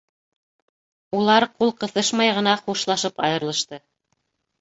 Улар ҡул ҡыҫышмай ғына хушлашып айырылышты.